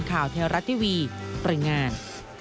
บุญข่าวเที่ยวรัฐทีวีปริงาน